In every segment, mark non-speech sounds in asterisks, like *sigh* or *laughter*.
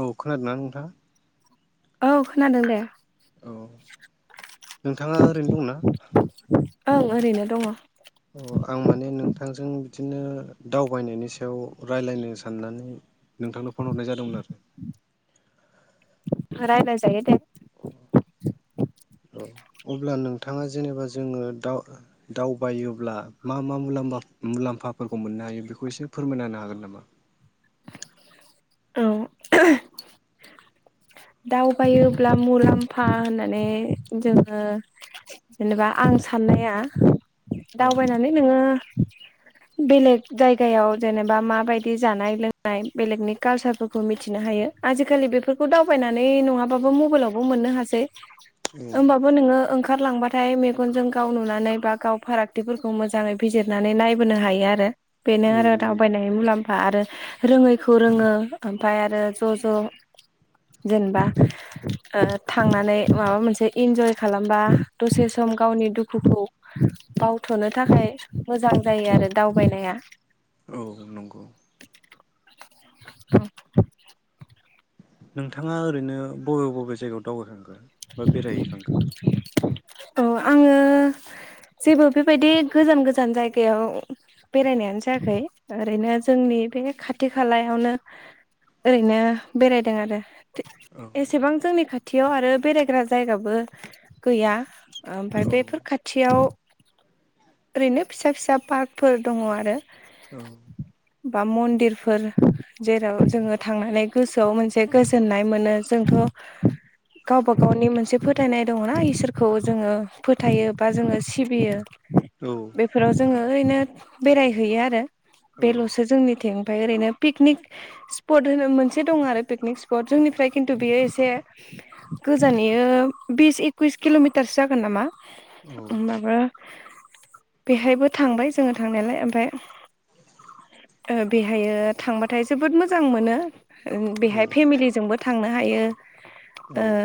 औ खोनादोंना नोंथाङा? औ खोनादों दे। औ नोंथाङा ओरैनो दंना? ओं ओरैनो दङ'। थांजों बिदिनो दावबायनायनि सायाव रायलायनो साननानै नोंथांनो फन हरनाय जादोंमोन आरो। रायलाय जायो दे। औ अब्ला नोंथाङा जेनेबा जोङो दाव-दावबायोब्ला मा मा मुलाम्बा-मुलाम्फाफोरखौ मोननो हायो बेखौ एसे फोरमायना होनो हागोन नामा? औ। दावबायोब्ला मुलाम्फा होननानै जोङो जेनेबा आं साननाया औ दावबायनानै नोङो बेलेग जायगायाव जेनेबा माबायदि जानाय लोंनाय बेलेगनि कालचारफोरखौ मिथिनो हायो। आजिखालि बेफोरखौ दाव बायनानै नङाबाबो मबाइलावबो मोननो हासै। औ ओमबाबो नोङो ओं खारलांबाथाय मेगनजों गाव नुनानै बा गाव फारागथिफोरखौ मोजाङै बिजिरनानै नायबोनो हायो आरो। बेनो औ आरो नंगौ दावबायनाय मुलाम्फा आरो रोङैखौ रोङो ओमफाय आरो ज' ज' जेनबा ओ थांनानै माबा मोनसे इन्जय खालामबा दसे सम गावनि दुखुखौ बावथ'नो थाखाय मोजां जायो आरो दावबायनाया। औ नंगौ नोंथाङा ओरैनो बबे बबे जायगायाव दावबायखांखो? बा बेरायहैखांखो? अ आङो जेबो बेबायदि गोजान गोजान जायगायाव बेरायनायानो जायाखै ओरैनो जोंनि बे खाथि खालायावनो ओरैनो बेरायदों आरो। औ एसेबां जोंनि खा थियाव आरो बेरायग्रा जायगाबो गैया। ओमफाय औ बेफोर खाथियाव ओरैनो फिसा फिसा पार्कफोर दङ आरो औ बा मन्दिरफोर जेराव जोङो थांनानै गोसोआव मोनसे गोजोननाय मोनो जोंथ' गावबा गावनि मोनसे फोथायनाय दङ'ना इसोरखौ जोङो फोथायो बा जोङो सिबियो बेफोराव जोङो ओरैनो बेरायहैयो आरो औ बेल'सो जोंनिथिं ओमफ्राय ओरैनो पिकनिक स्पट होनो मोनसे दं आरो पिकनिक स्पट जोंनिफ्राय खिन्थु बेयो एसे गोजान इयो बिस एकुइस किल'मिटारसो जागोन नामा। ओमबाबो बेहायबो थांबाय जोङो थांनायालाय ओमफ्राय ओ बेहायो थांबाथाय जोबोद मोजां मोनो ओ औ बेहाय फेमिलिजोंबो थांनो हायो औ ओ औ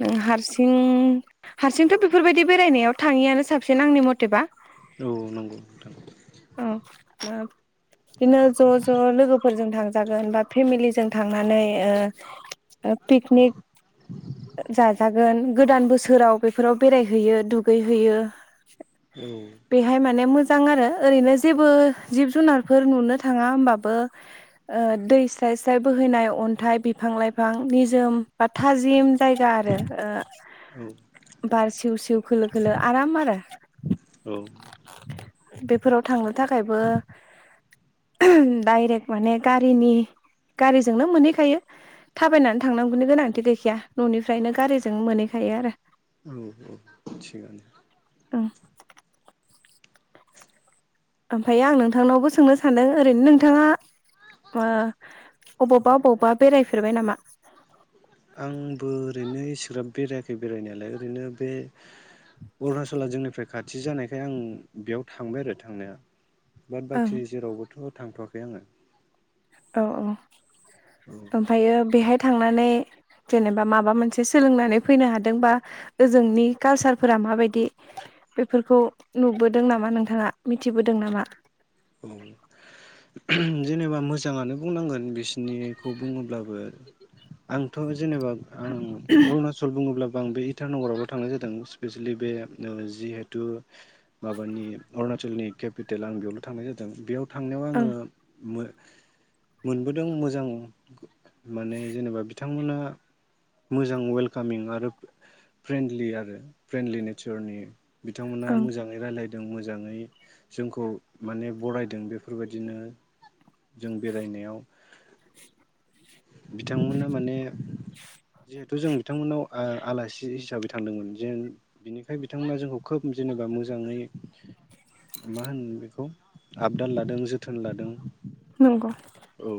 नों हारसिं हारसिंथ' बेफोरबायदि बेरायनायाव थाङियानो साबसिन आंनि मथेबा। औ नंगौ नोंथां औ ओ बिदिनो ज' ज' लोगोफोरजों थांजागोन बा फेमिलिजों थांनानै ओ पिकनिक जाजागोन गोदान बोसोराव बेफोराव बेरायहैयो दु गै हैयो। औ। ने मोजां आरो ओरैनो जेबो जिब जुनारफोर नुनो थाङा होमबाबो ओ दै स्राय स्राय बोहैनाय अन्थाइ बिफां लाइफां निजोम बा थाजिम जायगा आरो ओ औ बार सिउ सिउ खोलो खोलो आराम आरो। औ। बेफोराव थांनो थाखायबो डाइरेक्ट माने गारिनि गारिजोंनो मोनहैखायो थाबायनानै थांनांगौनि गोनांथि गैखाया ननिफ्रायनो गारिजों मोनहैखायो आरो। औ औ। ओं थिगानो। ओमफ्राय आं नोंथांनावबो सोंनो सानदों ओरैनो नोंथाङा ओ अबावबा अबावबा बेरायफेरबाय नामा आंबो ओरैनो इसिग्राब बेरायाखै बेरायनायालाय ओरैनो बे अरुणाचला जोंनिफ्राय खाथि जानायखाय आं बेयाव थांबाय आरो थांनाया बाद ओं बाखि जेरावबोथ' थांथवाखै आङो औ औ औ ओमफ्रायो बेहाय थांनानै जेनेबा माबा मोनसे सोलोंनानै फैनो हादों बा ओजोंनि कालसारफोरा माबायदि बेफोरखौ नुबोदों नामा नोंथाङा मिथिबोदों नामा जेनेबा मोजाङानो बुंनांगोन बिसिनिखौ बुङोब्लाबो आंथ' जेनेबा आं अरुणाचल बुङोब्ला आं बे इटानगरावल थांनाय जादों स्पेसिलि बे ओ जिहेथु माबानि अरुणाचलनि केपिटेल आं बेयावल' थांनाय जादों बेयाव थांनायाव ओं आङो मो मोनबोदों मोजां। माने जेनेबा बि बिथांमोना मोजां वेलकामिं आरो फ्रेन्डलि आरो फ्रेन्डलि नेचारनि बिथांमोना ओं मोजाङै रायलाय जों मोजांङै जोंखौ माने बरायदों बेफोरबायदिनो जों बेरायनायाव बिथांमोना माने जिहेथु जों बिथांमोनाव ओ आलासि हिसाबै थांदोंमोन जेन बिनिखाय बिथांमोना जोंखौ खोब जेनेबा मोजाङै मा होनो बेखौ आबदाल लादों जोथोन लादों। नंगौ औ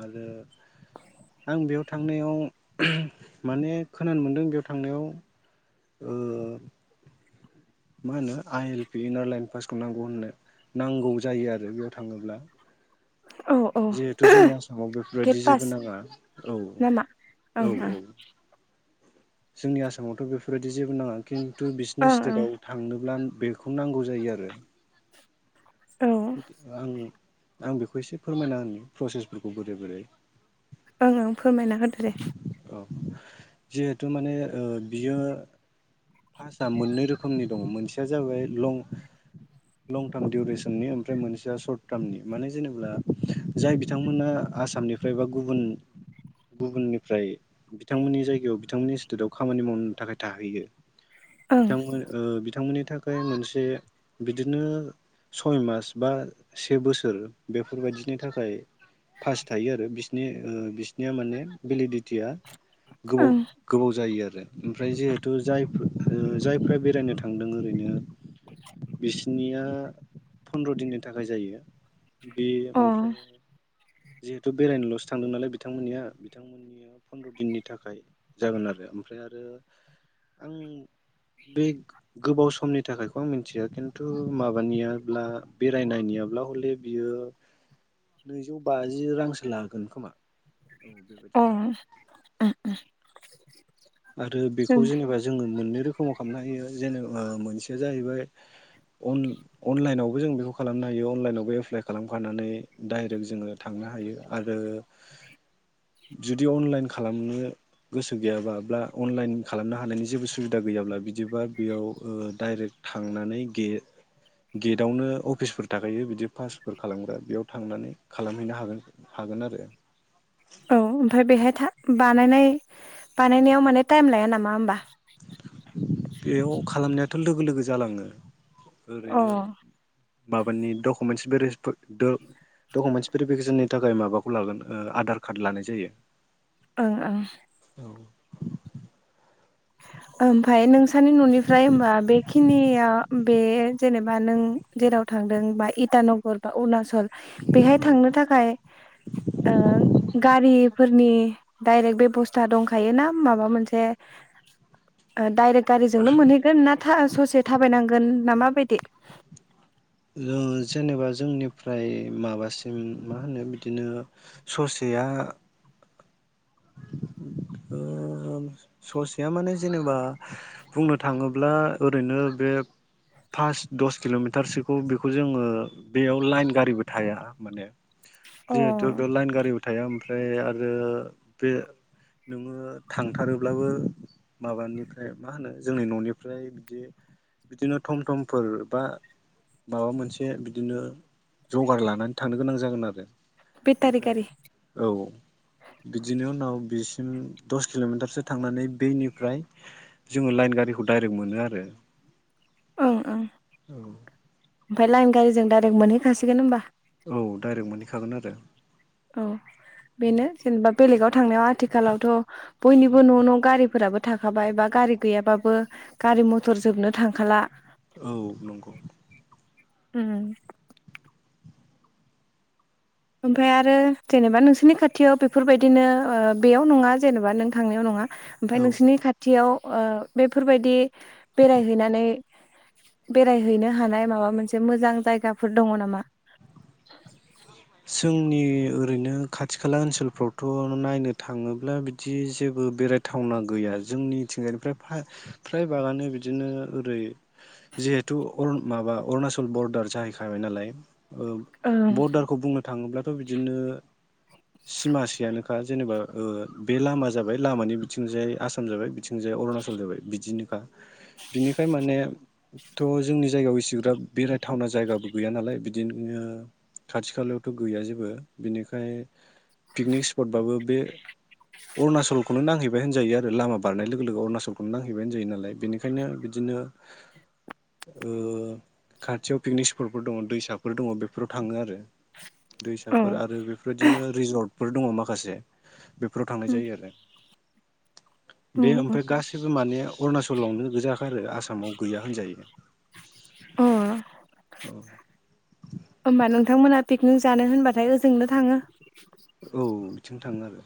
आरो आं बेयाव थांनायाव माने खोनानो मोनदों बेयाव थांनायाव ओ मा होनो आइ एल पि इनार लाइन पासखौ नांगौ होननो नांगौ जायो आरो बेयाव थाङोब्ला। औ औ जिहेथु जोंनि आसामाव गेट बेफोरबायदि पास जेबो नाङा औ नामा ओं औ ओं औ जोंनि आसामावथ' बेफोरबायदि जेबो नाङा खिन थु बिसिनि ओं ओं स्टेटाव थांनोब्ला बेखौ नांगौ जायो आरो। औ आं आं बेखौ एसे फोरमायना होनो प्रसेसफोरखौ बोरै बोरै ओं ओं फोरमायना होदो दे। औ जिहेथु माने ओ बियो पास्टआ मोननै रोखोमनि दङ मोनसेया जाबाय लं लं टार्म उरेसननि ओमफ्राय मोनसेया शर्ट टार्मनि माने जेनेबा जाय बिथांमोना आसामनिफ्राय बा गुबुन गुबुननिफ्राय बिथांमोननि जायगायाव बिथांमोननि स्टेटआव खामानि मावनो थाखाय थाहैयो। ओं बिथांमोन ओ बिथांमोननि नि थाखाय मोनसे बिदिनो सय मास बा से बोसोर बेफोरबायदिनि थाखाय फास थायो आरो बि नि बिसनिया माने भेलिडिटिया गोबाव ओं गोबाव जायो आरो ओमफ्राय जिहेथु जाय ओ जायफ्रा बेरायनो थांदों ओरैनो बिसिनिया फनन्द्र' दिननि थाखाय जायो बे अ ओमफ्राय जिहेथु बेरायनोल'सो थांदों नालाय बिथांमोननिया बिथांमोननिया फन्द्र' दिननि थाखाय जागोन आरो ओमफ्राय आरो आं बे गोबाव समनि थाखायखौ आं मिथिया खिन्थु माबानियाब्ला बेरायनायनियाब्ला हले बियो नैजौ बाजि रांसो लागोन खोमा औ बेबायदिनो लागोन ओं आरो बेखौ जेनेबा जोङो मोननो रोखोमाव खालामनो हायो जेनेबा मोनसेया जाहैबाय अन-अनलाइनावबो जों बेखौ खालामनो हायो अनलाइनावबो एप्लाइ खालामखानानै दडाइरेक्ट जोङो थांनो हायो आरो जुदि अनलाइन खालामनो गोसो गैयाबा ब्ला अनलाइन खालामनो हानायनि जेबो सुबिदा गैयाब्ला बिदिबा बेयाव डाइरेक्ट थांनानै गे-गेटआवनो अफिसफोर थाखायो बिदि पासफोर खालामग्रा बेयाव थांनानै खालामहैनो हागोन हागोनआरो औ ओमफ्राय बेहाय था बानाय बानायनायाव माने टाइम लाया नामा होमबा? बेयाव खालामनाया लोगो लोगो जालाङो अ ओरैनो ओं माबानि डकुमेन्टस भेर *unintelligible* द दकमेन्टन्स भेरिफिकेसननि थाखाय माबाखौ लागोन ओ आधार कार्ड लानाय जायो ओं ओं औ ओमफ्राय नोंसोरनि न'निफ्राय होनबा बेखिनिया बे जेनेबा नों जेराव थांदों बा इटानगर बा अरुणाचल बेहाय थांनो थाखाय ओ गारिफोरनि डाइरेक्ट बेब'स्था दंखायो ना माबा मोनसे ओ डाइरेक्ट गारिजोंनो मोनहैगोन ना फा ससे थाबायनांगोन ना माबायदि ओ जेनेबा जोंनिफ्राय माबासिम मा होनो बिदिनो ससेया ओ ससेया माने जेनेबा बुंनो थाङोब्ला ओरैनो बे पास दस किल'मिटारसोखौ बेखौ जोङो बेयाव लाइन गारिबो थाया माने अ जिहेतु बेयाव लाइन गारिबो थाया ओमफ्राय आरो बे नोङो थांथारोब्लाबो माबानिफ्राय मा होनो जोंनि न'निफ्राय बिदि बिदिनो थम थमफोर बा माबा मोनसे बिदिनो जगार लानानै थांनो गोनां जागोन आरो बेटारि ओमफ्राय गारि औ बिदिनि उनाव बिसिम दस किल'मिटारसो थांनानै बैनिफ्राय जोङो लाइन गारिखौ डाइरेक्ट मोनो आरो औ ओमफ्राय लाइन गारिजों दाइरेक्ट मोनहै खासिगोन होनबा औ डाइरेक्ट मोनहैखागोन आरो औ बेनो जेनेबा बेलेगाव थांनायाव आथिखालावथ बयनिबो न न गारिफोराबो थाखाबाय बा गारि गैयाबाबो गारि मथर जोबनो थांखाला औ नंगौ उम ओमफ्राय आरो जेनेबा नोंसोरनि खाथियाव बेफोरबायदिनो ओ बेयाव नंङा जेनेबा नों थांनायाव नङा ओमफ्राय औ नोंसिनि खाथियाव ओ बेफोरबायदि बेरायहैनानै बेरायहैनो हानाय माबा मोनसे मोजां जायगाफोर दंङ नामा *unintelligible* जोंनि ओरैनो खाथि खाला ओनसोलफ्रावथनायनो थांङोब्ला बिदि जेबो बेरायथावना गैया जोंनिथिंजायफ्राय फ्राय बागानो बिदिनो ओरै जिहेथु अरु माबा अरुणाचल बरदार जाहैखाबाय नालाय औ ओं बरडारखौ बुंनो थाङोब्लाथ बिदिनो सिमासे आनोखा जेनेबा बे लामा जाबाय लामानि बिथिंजाय आसाम जाबाय ओ बे लामा जाबाय लामानि बिथिंजाय आसाम जाबाय बिथिंजाय अरुणाचल जाबाय बिदिनोखा बिनिखाय मानेथ जोंनि जायगायाव इसिग्राब बेरायथावना जायगाबो गैया नालाय बिदिनो खाथि खालायावथ गैया जेबो बिनिखाय पिकनिक स्पटबाबो बे अरुणाचलखौनो नांहैबाय होनजायो आरो लामा बारनाय लोगो लोगो अरुणाचलखौनो नांहैबाय होनजायो नालाय बेनिखायनो बिदिनो ओ खाथियाव पिकनिक स्पटफोर दंङ दैसाफोर दंङ बेफोर बेफोराव थांङो आरो औ दैसाफोर आरो बेफोरदिनो रिजर्ट फोर दंङ माखासे बेफोराव थांनाय जायो आरो बे ओमफ्राय गासैबो माने अरुणाचलावनो गोजाखा आरो आसामाव गैया होनजायो अ औ ओनबा नोंथांमोना पिकनिक जानो होनबाथाय ओजोंनो थांङो औ थांङो आरो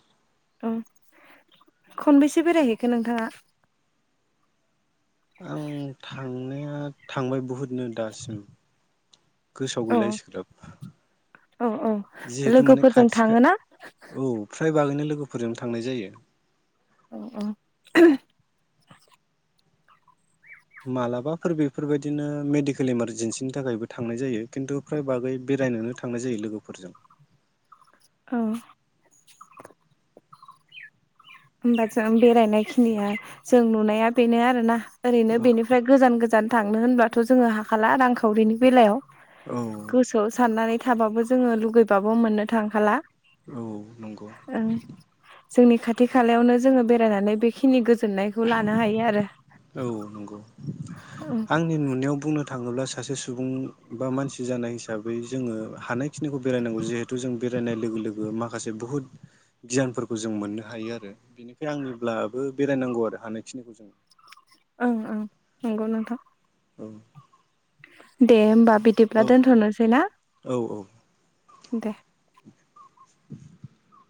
ओं खनबैसे बेरायहैखो नोंथाङा आं थां नाया थांबाय बुहुद नो दासिम गोसोआव औ गैला एसेग्राब औ औ जिहेथु माने लोगोफोरजों खाथि खा थाङोना? औ फ्राय बागैनो लोग गुफोरजोंनो थांनाय जायो अ अ *unintelligible* मालाबाफोर बेफोरबायदिनो मेडिकेल इमारजेन्सिनि थाखायबो थांनाय जायो खिन्थु फ्राय बागै बेरायनोनो थांनाय जायो लोगोफोरजों औ होमबा जों बेरायनाय खिनिया जों नुनाया बेनो आरोना ओरैनो औ बेनिफ्राय गोजान गोजान थांनो होनबाथ जोंङो हाखाला रांखावरिनि बेलायाव औ गोसोआव साननानै थाबाबो जोङो लुगैबाबो मोननो थांखाला। औ नंगौ। ओं जोंनि खाथ थि खालायावनो जोङो बेरायनानै बेखिनि गोज जोननायखौ लानो हायो आरो औ नंगौ ओं आंनि नुन नियाव बुंनो थाङोब्ला सासे सुबुं बा मानसि जानाय हिसाबै जोङो हानायखिनिखौ बेरायनांगौ जिहेथु जों बेरायनाय लोगो लोगो माखासे बुहुद गियानफोरखौ जों मोननो हायो आरो बिनिखाय आंनिब्लाबो बेरायनांगौ आरो हानायखिनिखौ जों ओं ओं नंगौ नोंथां। औ दे होमबाब बिदिब्ला दोन्थ'नोसै ना? औ औ दे *inaudible*